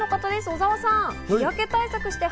小澤さん。